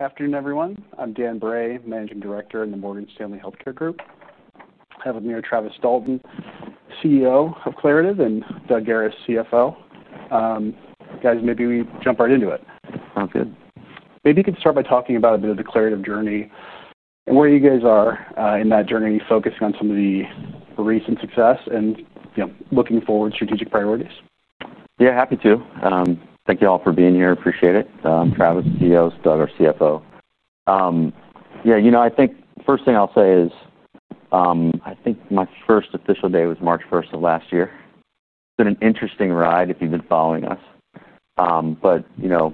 Afternoon, everyone. I'm Dan Bray, Managing Director in the Morgan Stanley Healthcare Group. I have with me here Travis Dalton, CEO of Claritev Corporation, and Doug Garis, CFO. Guys, maybe we jump right into it. Sounds good. Maybe you can start by talking about a bit of the Claritev journey and where you guys are in that journey, you focusing on some of the recent success and, you know, looking forward to strategic priorities. Yeah, happy to. Thank you all for being here. Appreciate it. Travis, CEO, Doug, our CFO. I think the first thing I'll say is, I think my first official day was March 1, 2023. It's been an interesting ride if you've been following us. You know,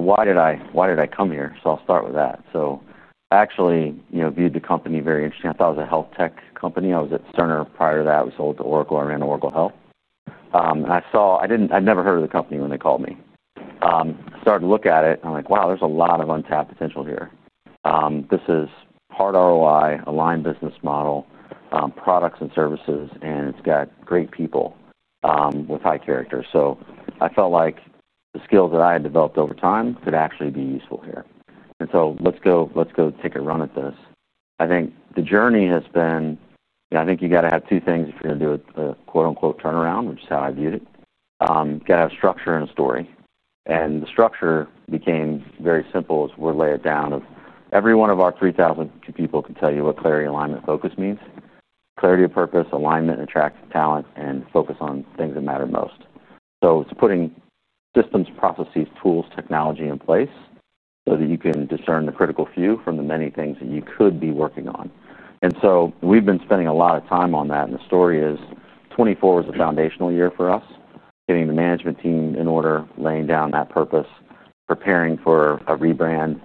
why did I come here? I'll start with that. I actually viewed the company very interesting. I thought it was a health tech company. I was at Sterner prior to that. We sold to Oracle. I ran Oracle Health, and I saw, I didn't, I'd never heard of the company when they called me. I started to look at it. I'm like, wow, there's a lot of untapped potential here. This is part OOI, aligned business model, products and services, and it's got great people with high character. I felt like the skills that I had developed over time could actually be useful here. Let's go take a run at this. I think the journey has been, you got to have two things if you're going to do a "turnaround," which is how I viewed it. You got to have structure and a story. The structure became very simple as we lay it down. Every one of our 3,000 people can tell you what clarity, alignment, and focus means. Clarity of purpose, alignment to attract talent, and focus on things that matter most. It's putting systems, processes, tools, technology in place so that you can discern the critical few from the many things that you could be working on. We've been spending a lot of time on that. The story is 2024 was a foundational year for us, getting the management team in order, laying down that purpose, preparing for a rebrand,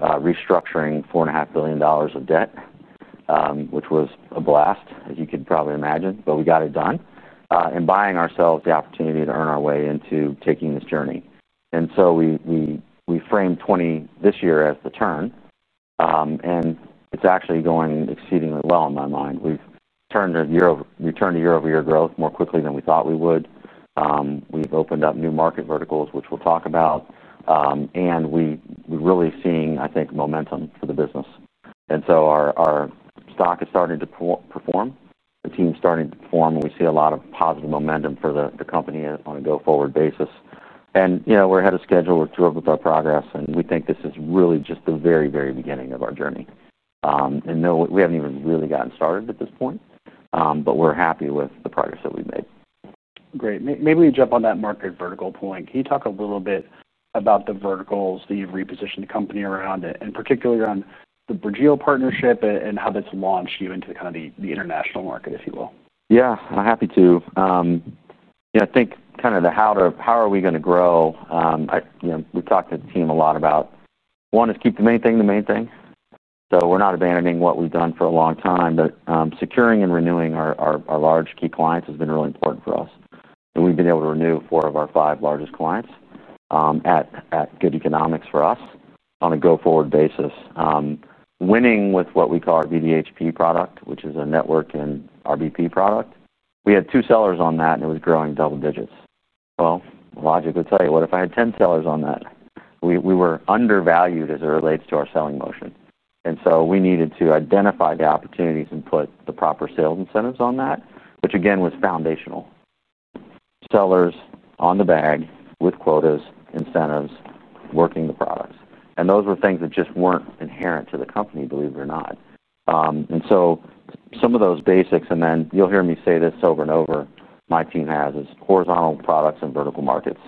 restructuring $4.5 billion of debt, which was a blast, as you could probably imagine, but we got it done, and buying ourselves the opportunity to earn our way into taking this journey. We framed 2024, this year, as the turn, and it's actually going exceedingly well in my mind. We've turned a year over year growth more quickly than we thought we would. We've opened up new market verticals, which we'll talk about, and we're really seeing momentum for the business. Our stock is starting to perform, the team's starting to perform, and we see a lot of positive momentum for the company on a go-forward basis. We're ahead of schedule. We're thrilled with our progress, and we think this is really just the very, very beginning of our journey. We haven't even really gotten started at this point, but we're happy with the progress that we've made. Great. Maybe we jump on that market vertical point. Can you talk a little bit about the verticals that you've repositioned the company around, and particularly around the Brigio partnership and how that's launched you into the international market, if you will? Yeah, and I'm happy to. I think kind of the how to, how are we going to grow? We've talked to the team a lot about, one, is keep the main thing the main thing. We're not abandoning what we've done for a long time, but securing and renewing our large key clients has been really important for us. We've been able to renew four of our five largest clients, at good economics for us on a go-forward basis. Winning with what we call our VDHP product, which is a network and RVP product. We had two sellers on that, and it was growing double digits. Logic would tell you, what if I had 10 sellers on that? We were undervalued as it relates to our selling motion. We needed to identify the opportunities and put the proper sales incentives on that, which again was foundational. Sellers on the bag with quotas, incentives, working the products. Those were things that just weren't inherent to the company, believe it or not. Some of those basics, and then you'll hear me say this over and over, my team has is horizontal products and vertical markets.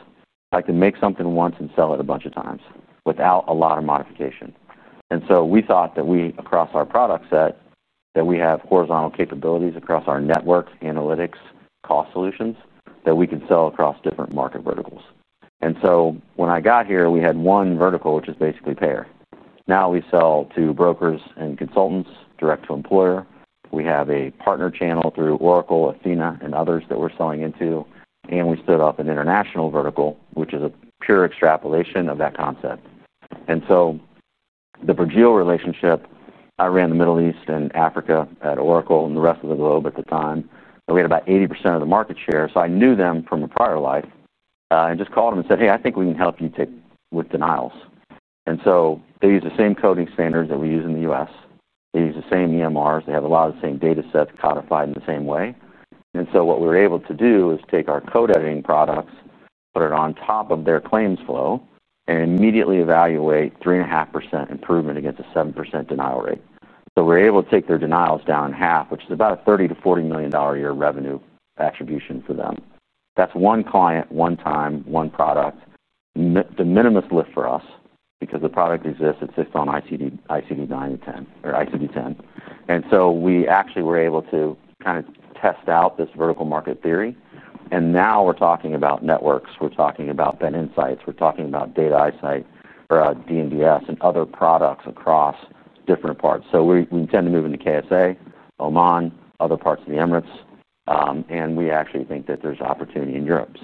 I can make something once and sell it a bunch of times without a lot of modification. We thought that we, across our product set, that we have horizontal capabilities across our network analytics cost solutions that we can sell across different market verticals. When I got here, we had one vertical, which is basically payer. Now we sell to brokers and consultants direct to employer. We have a partner channel through Oracle, Athena, and others that we're selling into. We split up an international vertical, which is a pure extrapolation of that concept. The Brigio relationship, I ran the Middle East and Africa at Oracle and the rest of the globe at the time. We had about 80% of the market share. I knew them from a prior life. I just called them and said, "Hey, I think we can help you take with denials." They use the same coding standards that we use in the U.S. They use the same EMRs. They have a lot of the same data sets codified in the same way. We were able to take our code editing products, put it on top of their claims flow, and immediately evaluate 3.5% improvement against a 7% denial rate. We're able to take their denials down in half, which is about a $30 to $40 million a year revenue attribution for them. That's one client, one time, one product. The minimum lift for us because the product exists, it sits on ICD-9 and 10 or ICD-10. We actually were able to kind of test out this vertical market theory. Now we're talking about networks, we're talking about Ben Insights, we're talking about data eyesight or DNDS and other products across different parts. We intend to move into KSA, Oman, other parts of the Emirates, and we actually think that there's opportunity in Europe.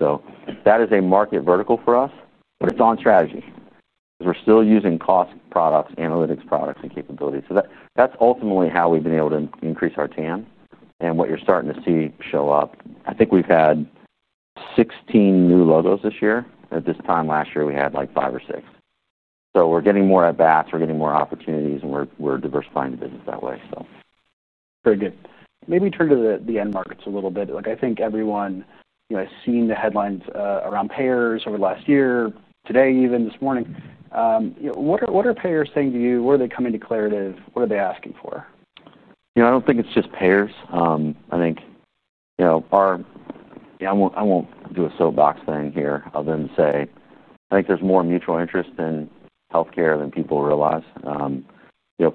That is a market vertical for us, but it's on strategy because we're still using cost products, analytics products, and capabilities. That's ultimately how we've been able to increase our TAM and what you're starting to see show up. I think we've had 16 new logos this year. At this time last year, we had like five or six. We're getting more at bats, we're getting more opportunities, and we're diversifying the business that way. Very good. Maybe turn to the end markets a little bit. I think everyone has seen the headlines around payers over the last year, today even this morning. What are payers saying to you? What are they coming to Claritev? What are they asking for? Yeah, I don't think it's just payers. I think there's more mutual interest in healthcare than people realize.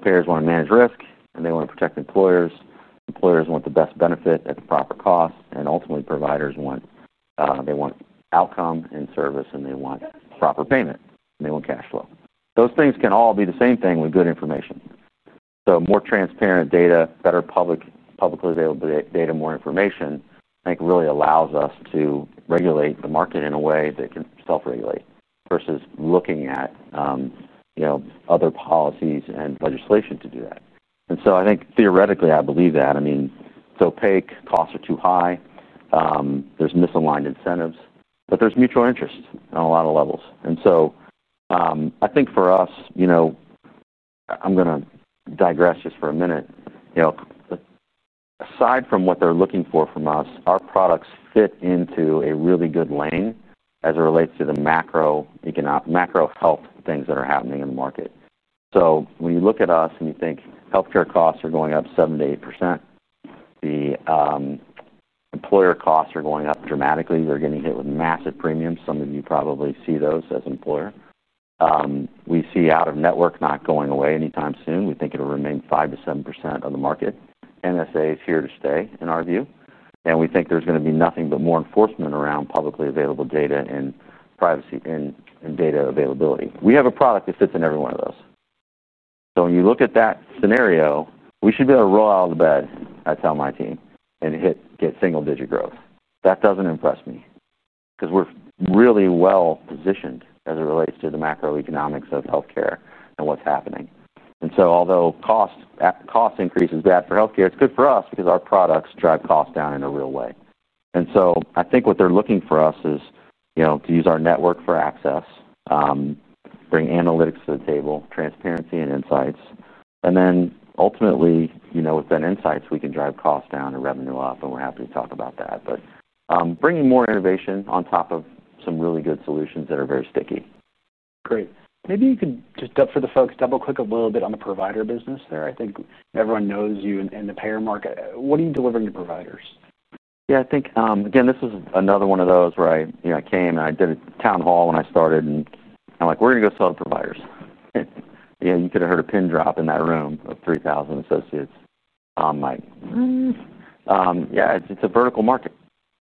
Payers want to manage risk, and they want to protect employers. Employers want the best benefit at the proper cost, and ultimately providers want outcome and service, and they want proper payment, and they want cash flow. Those things can all be the same thing with good information. More transparent data, better publicly available data, more information, I think really allows us to regulate the market in a way that can self-regulate versus looking at other policies and legislation to do that. I think theoretically, I believe that. I mean, it's opaque. Costs are too high. There's misaligned incentives, but there's mutual interest on a lot of levels. I think for us, I'm going to digress just for a minute. Aside from what they're looking for from us, our products fit into a really good lane as it relates to the macro health things that are happening in the market. When you look at us and you think healthcare costs are going up 78%, the employer costs are going up dramatically. They're getting hit with massive premiums. Some of you probably see those as an employer. We see out of network not going away anytime soon. We think it'll remain 5% to 7% of the market. MSA is here to stay in our view. We think there's going to be nothing but more enforcement around publicly available data and privacy and data availability. We have a product that fits in every one of those. When you look at that scenario, we should be able to roll out of the bed, I tell my team, and hit get single-digit growth. That doesn't impress me because we're really well positioned as it relates to the macroeconomics of healthcare and what's happening. Although cost increase is bad for healthcare, it's good for us because our products drive cost down in a real way. I think what they're looking for us is to use our network for access, bring analytics to the table, transparency and insights. Ultimately, with Ben Insights, we can drive cost down and revenue up, and we're happy to talk about that. Bringing more innovation on top of some really good solutions that are very sticky. Great. Maybe you could, just for the folks, double click a little bit on the provider business there. I think everyone knows you in the payer market. What are you delivering to providers? Yeah, I think, again, this was another one of those where I came and I did a town hall and I started and I'm like, we're going to go sell to providers. You could have heard a pin drop in that room of 3,000 associates. I'm like, yeah, it's a vertical market.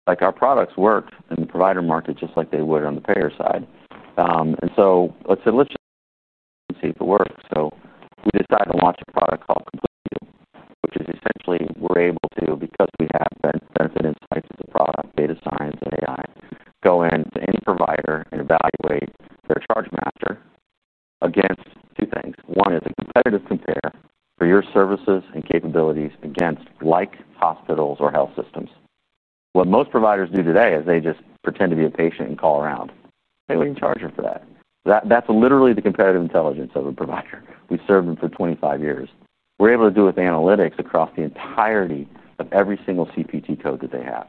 Our products work in the provider market just like they would on the payer side. I said, let's see if it works. We decided to launch a product called Complete, which is essentially we're able to, because we have Ben Insights as the product, data science, and AI, go into any provider and evaluate their chargemaster against two things. One is a competitive compare for your services and capabilities against like hospitals or health systems. What most providers do today is they just pretend to be a patient and call around. Hey, we can charge them for that. That's literally the competitive intelligence of a provider. We served them for 25 years. We're able to do with analytics across the entirety of every single CPT code that they have.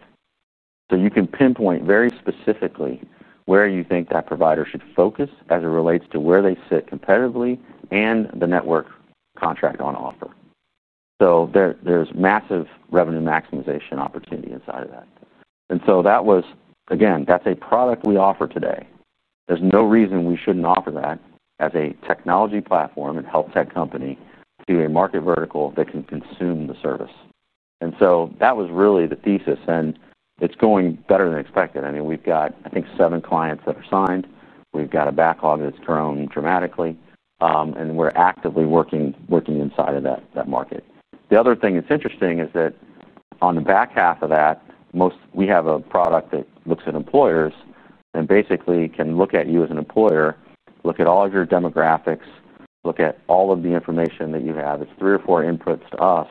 You can pinpoint very specifically where you think that provider should focus as it relates to where they sit competitively and the network contract on offer. There's massive revenue maximization opportunity inside of that. That was, again, that's a product we offer today. There's no reason we shouldn't offer that as a technology platform and health tech company to a market vertical that can consume the service. That was really the thesis, and it's going better than expected. We've got, I think, seven clients that are signed. We've got a backlog that's grown dramatically, and we're actively working inside of that market. The other thing that's interesting is that on the back half of that, we have a product that looks at employers and basically can look at you as an employer, look at all of your demographics, look at all of the information that you have. It's three or four inputs to us,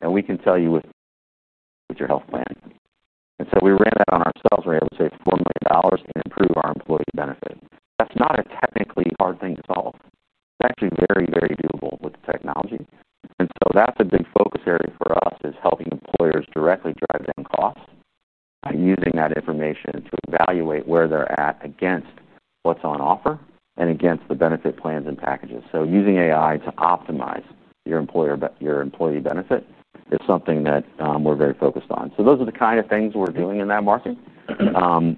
and we can tell you what your health plan is. We ran that on ourselves. We're able to save $4 million and improve our employee benefit. That's not a technically hard thing to solve. It's actually very, very doable with the technology. That's a big focus area for us is helping employers directly drive down costs and using that information to evaluate where they're at against what's on offer and against the benefit plans and packages. Using AI to optimize your employee benefit is something that we're very focused on. Those are the kind of things we're doing in that market,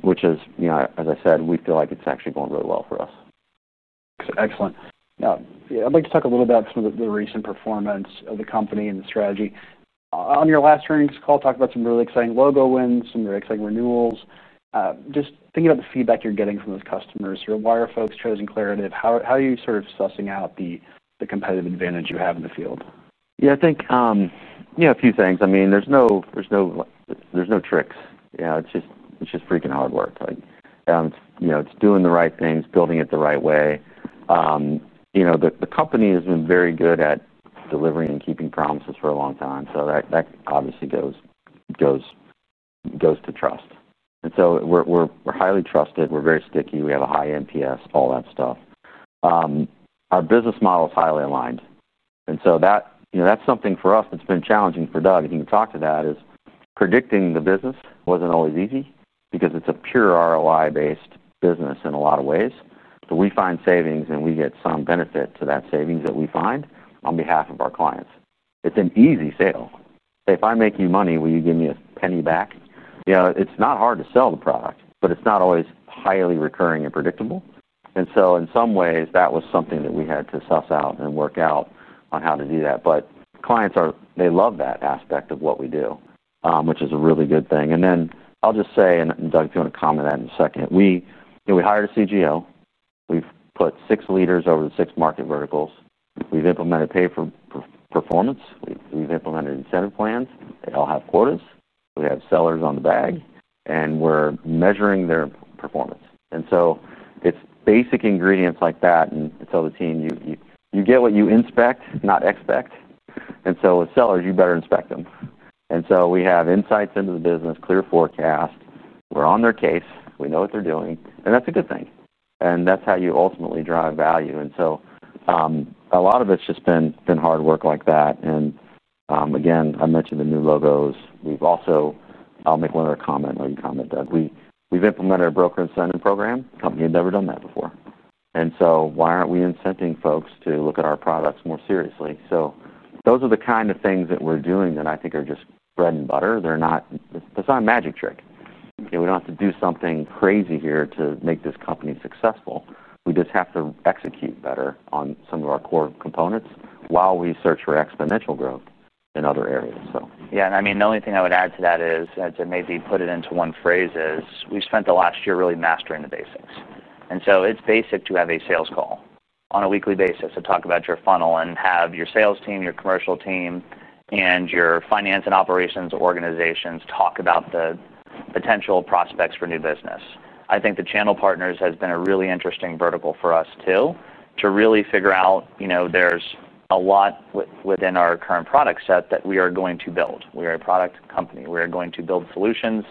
which is, as I said, we feel like it's actually going really well for us. Excellent. Now, I'd like to talk a little bit about some of the recent performance of the company and the strategy. On your last earnings call, talk about some really exciting logo wins, some very exciting renewals. Just thinking about the feedback you're getting from those customers, your why are folks choosing Claritev, how are you sort of sussing out the competitive advantage you have in the field? Yeah, I think a few things. There's no tricks. It's just freaking hard work. It's doing the right things, building it the right way. The company has been very good at delivering and keeping promises for a long time. That obviously goes to trust. We're highly trusted. We're very sticky. We have a high NPS, all that stuff. Our business model is highly aligned. That's something for us that's been challenging for Doug, and he can talk to that. Predicting the business wasn't always easy because it's a pure ROI-based business in a lot of ways. We find savings and we get some benefit to that savings that we find on behalf of our clients. It's an easy sale. If I make you money, will you give me a penny back? It's not hard to sell the product, but it's not always highly recurring and predictable. In some ways, that was something that we had to suss out and work out on how to do that. Clients love that aspect of what we do, which is a really good thing. I'll just say, and Doug's going to comment on that in a second. We hired a CGO. We've put six leaders over the six market verticals. We've implemented pay for performance. We've implemented incentive plans. They all have quotas. We have sellers on the bag, and we're measuring their performance. It's basic ingredients like that. The team, you get what you inspect, not expect. With sellers, you better inspect them. We have insights into the business, clear forecast. We're on their case. We know what they're doing. That's a good thing. That's how you ultimately drive value. A lot of it's just been hard work like that. Again, I mentioned the new logos. I'll make one other comment, or you comment, Doug. We've implemented a broker incentive program. The company had never done that before. Why aren't we incenting folks to look at our products more seriously? Those are the kind of things that we're doing that I think are just bread and butter. It's not a magic trick. We don't have to do something crazy here to make this company successful. We just have to execute better on some of our core components while we search for exponential growth in other areas. Yeah, and the only thing I would add to that is, to maybe put it into one phrase, we've spent the last year really mastering the basics. It's basic to have a sales call on a weekly basis to talk about your funnel and have your sales team, your commercial team, and your finance and operations organizations talk about the potential prospects for new business. I think the channel partners has been a really interesting vertical for us too, to really figure out, you know, there's a lot within our current product set that we are going to build. We are a product company. We are going to build solutions.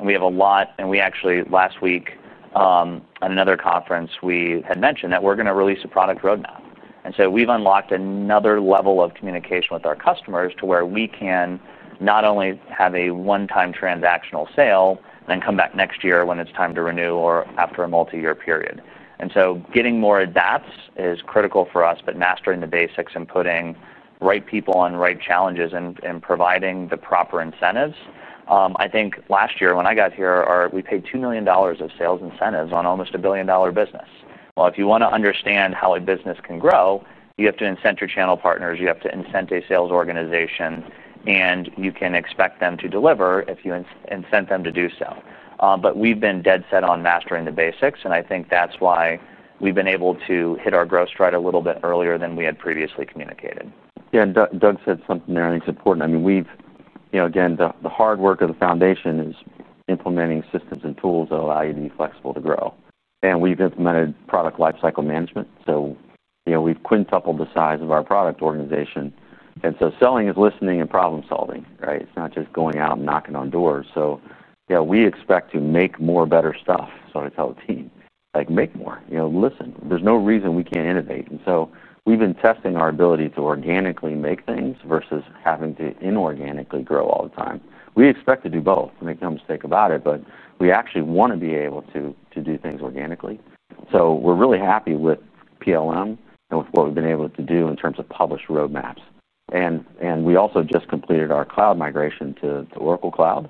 We have a lot, and we actually, last week at another conference, mentioned that we're going to release a product roadmap. We've unlocked another level of communication with our customers to where we can not only have a one-time transactional sale and then come back next year when it's time to renew or after a multi-year period. Getting more at bats is critical for us, but mastering the basics and putting right people on right challenges and providing the proper incentives. I think last year when I got here, we paid $2 million of sales incentives on almost a billion dollar business. If you want to understand how a business can grow, you have to incent your channel partners, you have to incent a sales organization, and you can expect them to deliver if you incent them to do so. We've been dead set on mastering the basics, and I think that's why we've been able to hit our growth stride a little bit earlier than we had previously communicated. Yeah, and Doug said something there, and it's important. I mean, we've, you know, the hard work of the foundation is implementing systems and tools that allow you to be flexible to grow. We've implemented product lifecycle management. We've quintupled the size of our product organization. Selling is listening and problem solving, right? It's not just going out and knocking on doors. We expect to make more better stuff. I tell the team, like, make more. Listen, there's no reason we can't innovate. We've been testing our ability to organically make things versus having to inorganically grow all the time. We expect to do both. We make no mistake about it, but we actually want to be able to do things organically. We're really happy with PLM and with what we've been able to do in terms of published roadmaps. We also just completed our cloud migration to the Oracle Cloud,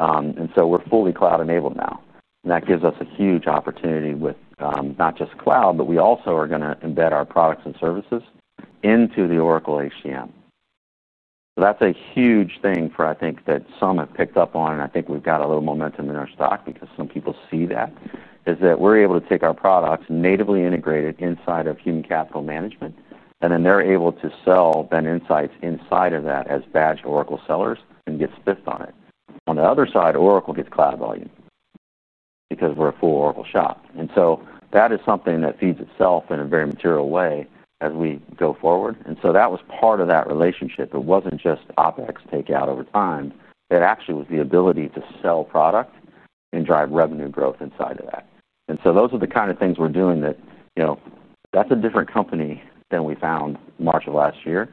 and we're fully cloud enabled now. That gives us a huge opportunity with not just cloud, but we also are going to embed our products and services into the Oracle HCM. That's a huge thing for, I think, that some have picked up on, and I think we've got a little momentum in our stock because some people see that, is that we're able to take our products and natively integrate it inside of human capital management. They're able to sell Ben Insights inside of that as badged Oracle sellers and get spiffed on it. On the other side, Oracle gets cloud volume because we're a full Oracle shop. That is something that feeds itself in a very material way as we go forward. That was part of that relationship. It wasn't just OpEx takeout over time. It actually was the ability to sell product and drive revenue growth inside of that. Those are the kind of things we're doing that's a different company than we found March of last year.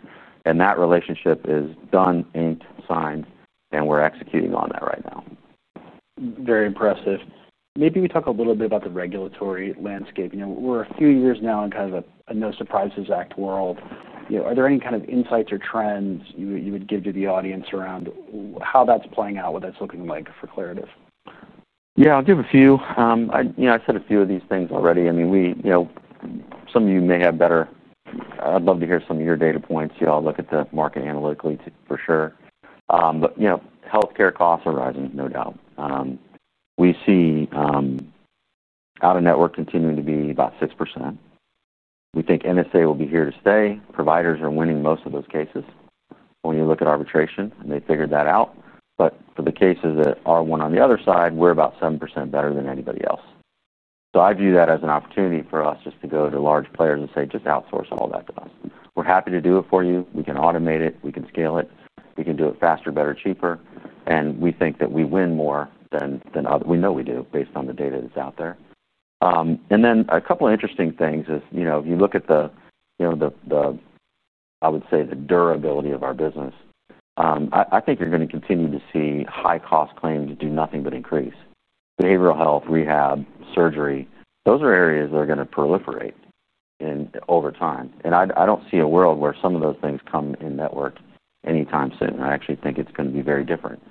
That relationship is done, inked, signed, and we're executing on that right now. Very impressive. Maybe we talk a little bit about the regulatory landscape. You know, we're a few years now in kind of a No Surprises Act world. Are there any kind of insights or trends you would give to the audience around how that's playing out, what that's looking like for Claritev? Yeah, I'll give a few. I said a few of these things already. We, you know, some of you may have better, I'd love to hear some of your data points. You all look at the market analytically for sure, but healthcare costs are rising, no doubt. We see out of network continuing to be about 6%. We think the No Surprises Act will be here to stay. Providers are winning most of those cases. When you look at arbitration, and they figured that out. For the cases that are won on the other side, we're about 7% better than anybody else. I view that as an opportunity for us just to go to large players and say, just outsource all that to us. We're happy to do it for you. We can automate it. We can scale it. We can do it faster, better, cheaper. We think that we win more than we know we do based on the data that's out there. A couple of interesting things is, if you look at the durability of our business, I think you're going to continue to see high-cost claims do nothing but increase. Behavioral health, rehab, surgery, those are areas that are going to proliferate over time. I don't see a world where some of those things come in network anytime soon. I actually think it's going to be very different.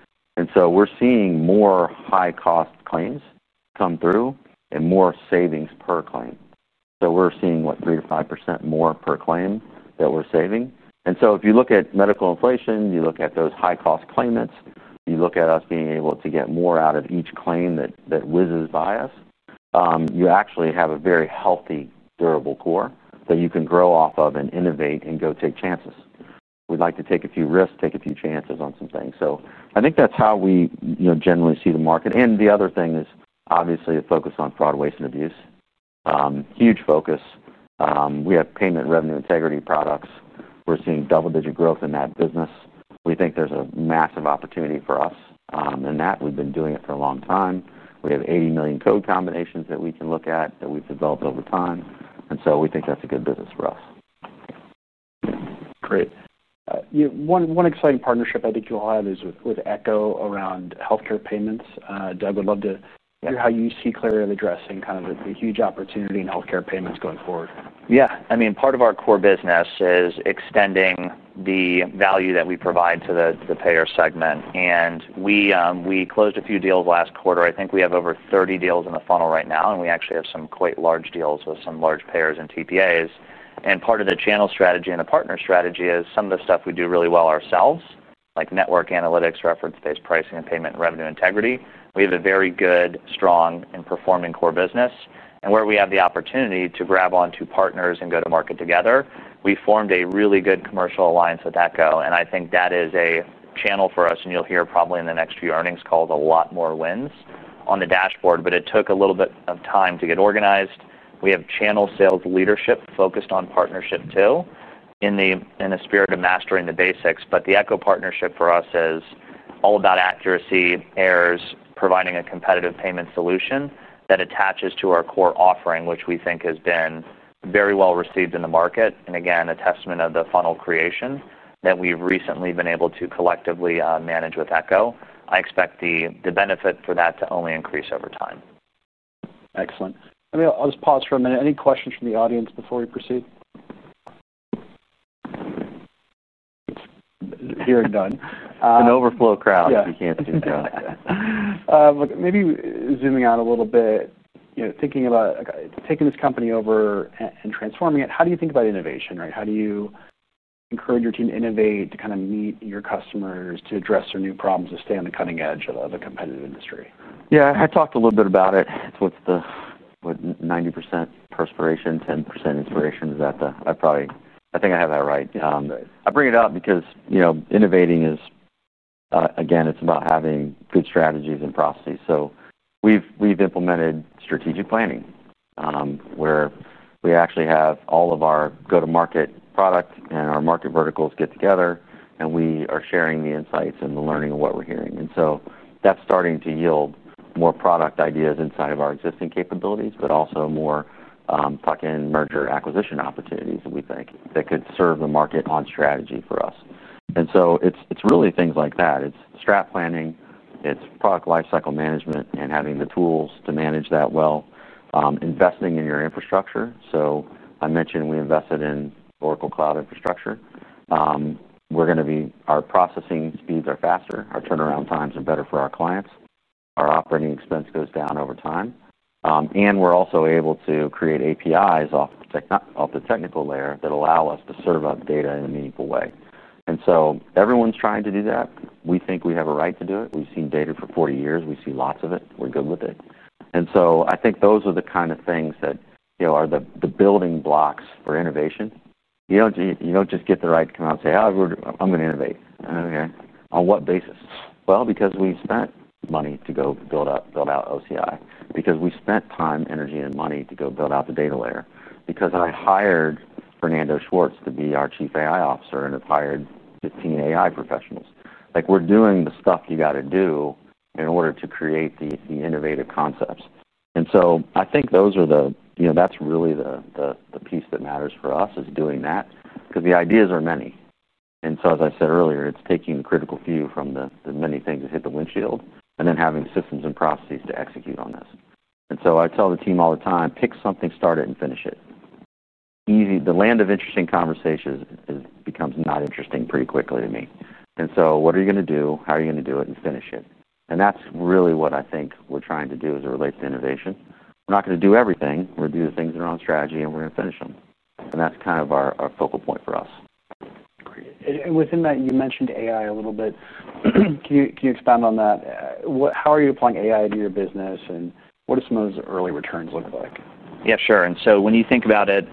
We're seeing more high-cost claims come through and more savings per claim. We're seeing what, 3% to 5% more per claim that we're saving. If you look at medical inflation, you look at those high-cost claimants, you look at us being able to get more out of each claim that whizzes by us, you actually have a very healthy, durable core that you can grow off of and innovate and go take chances. We'd like to take a few risks, take a few chances on some things. I think that's how we generally see the market. The other thing is obviously a focus on fraud, waste, and abuse. Huge focus. We have payment and revenue integrity products. We're seeing double-digit growth in that business. We think there's a massive opportunity for us, and we've been doing it for a long time. We have 80 million code combinations that we can look at that we've developed over time. We think that's a good business for us. Great. You know, one exciting partnership I think you all have is with Echo around healthcare payments. Doug, I'd love to hear how you see Claritev addressing kind of the huge opportunity in healthcare payments going forward. Yeah, I mean, part of our core business is extending the value that we provide to the payer segment. We closed a few deals last quarter. I think we have over 30 deals in the funnel right now, and we actually have some quite large deals with some large payers and TPAs. Part of the channel strategy and the partner strategy is some of the stuff we do really well ourselves, like network analytics, reference-based pricing, and payment and revenue integrity. We have a very good, strong, and performing core business. Where we have the opportunity to grab onto partners and go to market together, we formed a really good commercial alliance with Echo. I think that is a channel for us, and you'll hear probably in the next few earnings calls a lot more wins on the dashboard, but it took a little bit of time to get organized. We have channel sales leadership focused on partnership too, in the spirit of mastering the basics. The Echo partnership for us is all about accuracy, errors, providing a competitive payment solution that attaches to our core offering, which we think has been very well received in the market. Again, a testament of the funnel creation that we've recently been able to collectively manage with Echo. I expect the benefit for that to only increase over time. Excellent. I'll just pause for a minute. Any questions from the audience before we proceed? Hearing none. An overflow crowd. We can't do that. Maybe zooming out a little bit, thinking about taking this company over and transforming it, how do you think about innovation? How do you encourage your team to innovate, to meet your customers, to address their new problems, to stay on the cutting edge of a competitive industry? Yeah, I talked a little bit about it. It's what's the, what, 90% perspiration, 10% inspiration? Is that the, I probably, I think I have that right. I bring it up because, you know, innovating is, again, it's about having good strategies and processes. We've implemented strategic planning, where we actually have all of our go-to-market product and our market verticals get together, and we are sharing the insights and the learning of what we're hearing. That's starting to yield more product ideas inside of our existing capabilities, but also more tuck-in merger acquisition opportunities that we think could serve the market on strategy for us. It's really things like that. It's strat planning, it's product lifecycle management, and having the tools to manage that well, investing in your infrastructure. I mentioned we invested in Oracle Cloud Infrastructure. We're going to be, our processing speeds are faster, our turnaround times are better for our clients, our operating expense goes down over time, and we're also able to create APIs off the technical layer that allow us to serve up data in a meaningful way. Everyone's trying to do that. We think we have a right to do it. We've seen data for 40 years. We see lots of it. We're good with it. I think those are the kind of things that are the building blocks for innovation. You don't just get the right to come out and say, oh, I'm going to innovate. Okay, on what basis? Well, because we spent money to go build out OCI, because we spent time, energy, and money to go build out the data layer, because I hired Fernando Schwartz to be our Chief AI Officer and have hired 15 AI professionals. We're doing the stuff you got to do in order to create the innovative concepts. I think those are the, you know, that's really the piece that matters for us is doing that because the ideas are many. As I said earlier, it's taking the critical view from the many things that hit the windshield and then having systems and processes to execute on this. I tell the team all the time, pick something, start it, and finish it. Easy. The land of interesting conversations becomes not interesting pretty quickly to me. What are you going to do? How are you going to do it and finish it? That's really what I think we're trying to do as it relates to innovation. We're not going to do everything. We're going to do the things that are on strategy, and we're going to finish them. That's kind of our focal point for us. Great. You mentioned AI a little bit. Can you expand on that? How are you applying AI to your business, and what do some of those early returns look like? Yeah, sure. When you think about it,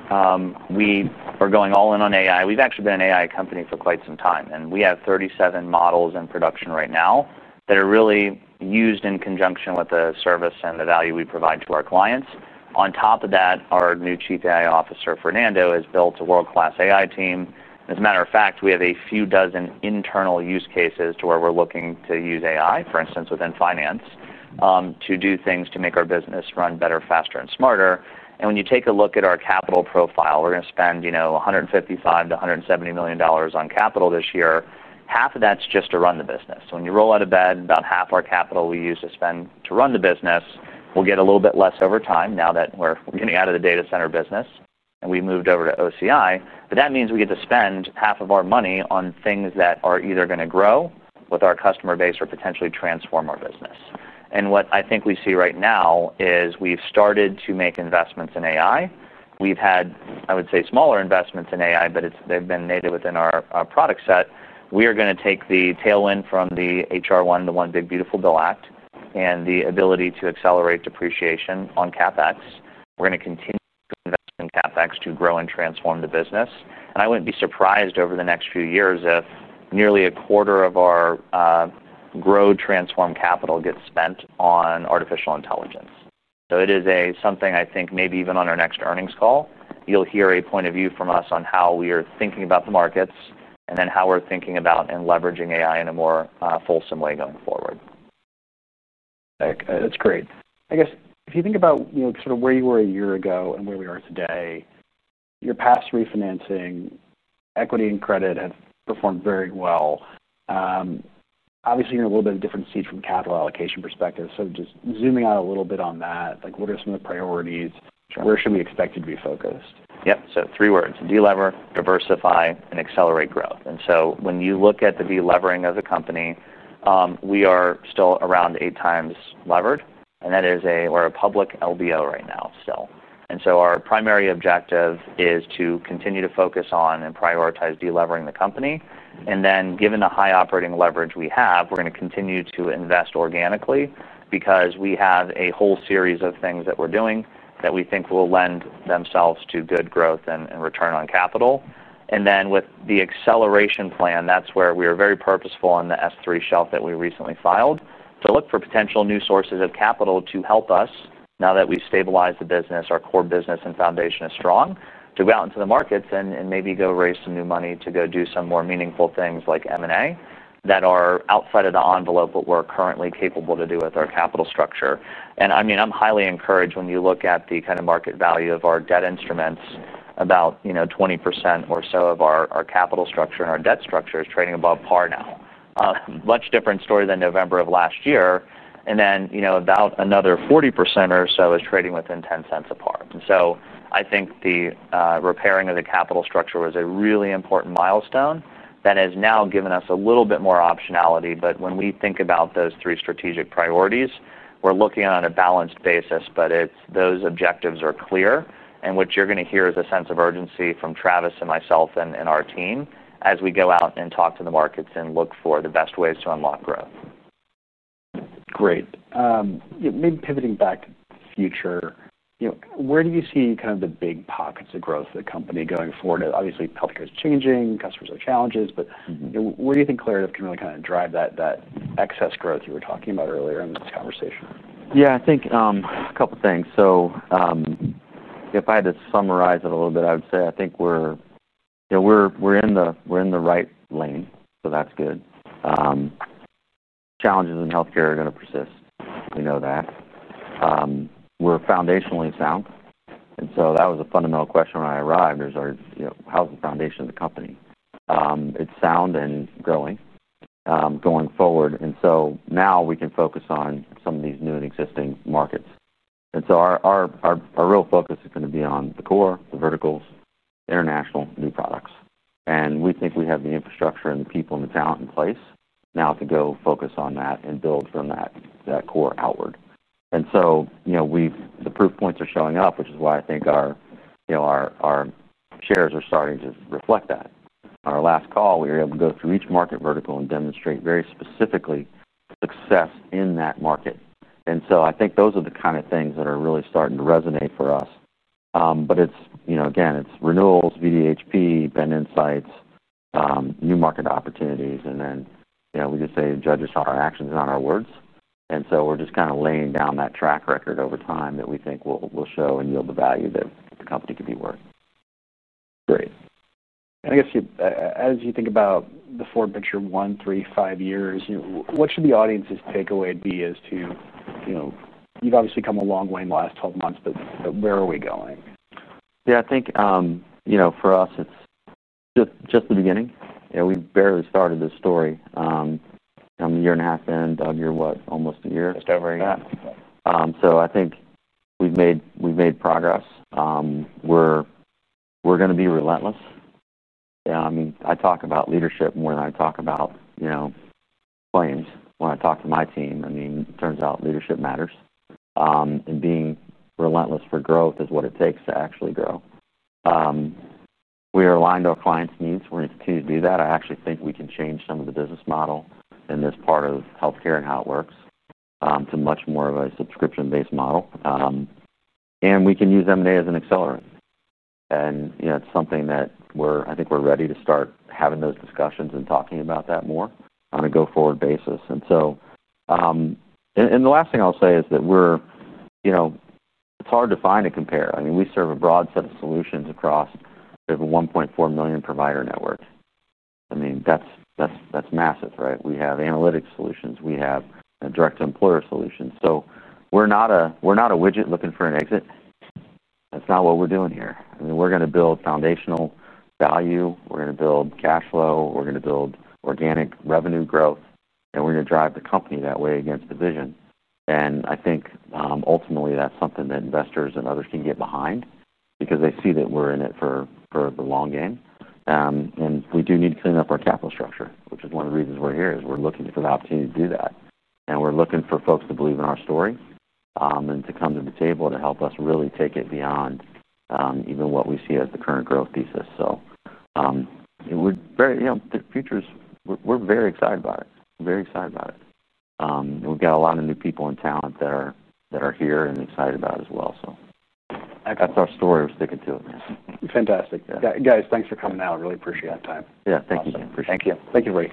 we are going all in on AI. We've actually been an AI company for quite some time, and we have 37 models in production right now that are really used in conjunction with the service and the value we provide to our clients. On top of that, our new Chief AI Officer, Fernando Schwartz, has built a world-class AI team. As a matter of fact, we have a few dozen internal use cases where we're looking to use AI, for instance, within finance, to do things to make our business run better, faster, and smarter. When you take a look at our capital profile, we're going to spend $155 to $170 million on capital this year. Half of that's just to run the business. When you roll out of bed, about half our capital we used to spend to run the business will get a little bit less over time now that we're getting out of the data center business and we've moved over to Oracle Cloud Infrastructure. That means we get to spend half of our money on things that are either going to grow with our customer base or potentially transform our business. What I think we see right now is we've started to make investments in AI. We've had, I would say, smaller investments in AI, but they've been native within our product set. We are going to take the tailwind from the HR1, the One Big Beautiful Bill Act, and the ability to accelerate depreciation on CapEx. We're going to continue to invest in CapEx to grow and transform the business. I wouldn't be surprised over the next few years if nearly a quarter of our grow transform capital gets spent on artificial intelligence. It is something I think maybe even on our next earnings call, you'll hear a point of view from us on how we are thinking about the markets and then how we're thinking about and leveraging AI in a more fulsome way going forward. That's great. I guess if you think about sort of where you were a year ago and where we are today, your past refinancing, equity, and credit have performed very well. Obviously, you're in a little bit of a different seat from a capital allocation perspective. Just zooming out a little bit on that, what are some of the priorities? Where should we expect to be focused? Yep. Three words: delever, diversify, and accelerate growth. When you look at the delevering of the company, we are still around eight times levered. That is, we're a public LBO right now still. Our primary objective is to continue to focus on and prioritize delevering the company. Given the high operating leverage we have, we're going to continue to invest organically because we have a whole series of things that we're doing that we think will lend themselves to good growth and return on capital. With the acceleration plan, that's where we are very purposeful on the S-3 shelf that we recently filed to look for potential new sources of capital to help us now that we've stabilized the business, our core business and foundation is strong, to go out into the markets and maybe go raise some new money to do some more meaningful things like M&A that are outside of the envelope of what we're currently capable to do with our capital structure. I'm highly encouraged when you look at the kind of market value of our debt instruments, about 20% or so of our capital structure and our debt structure is trading above par now. A much different story than November of last year. About another 40% or so is trading within $0.10 of par. I think the repairing of the capital structure was a really important milestone that has now given us a little bit more optionality. When we think about those three strategic priorities, we're looking on a balanced basis, but those objectives are clear. What you're going to hear is a sense of urgency from Travis and myself and our team as we go out and talk to the markets and look for the best ways to unlock growth. Great. Maybe pivoting back to the future, you know, where do you see kind of the big pockets of growth of the company going forward? Obviously, healthcare is changing, customers have challenges, but where do you think Claritev can really kind of drive that excess growth you were talking about earlier in this conversation? Yeah, I think a couple of things. If I had to summarize it a little bit, I would say I think we're, you know, we're in the right lane. That's good. Challenges in healthcare are going to persist. We know that. We're foundationally sound, and that was a fundamental question when I arrived. There's our, you know, housing foundation of the company. It's sound and going forward. Now we can focus on some of these new and existing markets. Our real focus is going to be on the core, the verticals, international, new products. We think we have the infrastructure and the people and the talent in place now to go focus on that and build from that core outward. The proof points are showing up, which is why I think our shares are starting to reflect that. On our last call, we were able to go through each market vertical and demonstrate very specifically success in that market. I think those are the kind of things that are really starting to resonate for us. It's renewals, VDHP, Ben Insights, new market opportunities. We just say judge us on our actions, not our words. We're just kind of laying down that track record over time that we think will show and yield the value that the company could be worth. Great. As you think about the forward picture in one, three, five years, what should the audience's takeaway be as to, you've obviously come a long way in the last 12 months, but where are we going? I think, you know, for us, it's just the beginning. We barely started this story. I'm a year and a half in. Doug, you're what, almost a year? Just over a year. I think we've made progress. We're going to be relentless. I talk about leadership more than I talk about claims. When I talk to my team, it turns out leadership matters, and being relentless for growth is what it takes to actually grow. We are aligned to our clients' needs. We're going to continue to do that. I actually think we can change some of the business model in this part of healthcare and how it works, to much more of a subscription-based model. We can use M&A as an accelerant. It's something that we're ready to start having those discussions and talking about more on a go-forward basis. The last thing I'll say is that it's hard to find a compare. We serve a broad set of solutions across a 1.4 million provider network. That's massive, right? We have analytics solutions. We have direct employer solutions. We're not a widget looking for an exit. That's not what we're doing here. We're going to build foundational value. We're going to build cash flow. We're going to build organic revenue growth. We're going to drive the company that way against the vision. I think, ultimately, that's something that investors and others can get behind because they see that we're in it for the long game. We do need to clean up our capital structure, which is one of the reasons we're here. We're looking for the opportunity to do that, and we're looking for folks to believe in our story and to come to the table to help us really take it beyond even what we see as the current growth thesis. The future is, we're very excited about it. Very excited about it. We've got a lot of new people and talent that are here and excited about it as well. I think that's our story, we're sticking to it. Fantastic. Guys, thanks for coming out. Really appreciate that time. Yeah, thank you, buddy. Thank you. Thank you.